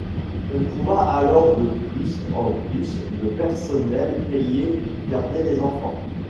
On trouva alors de plus en plus de personnel payé pour garder les enfants.